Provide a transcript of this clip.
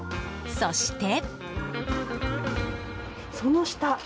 そして。